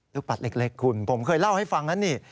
ปัดเล็กคุณผมเคยเล่าให้ฟังนะนี่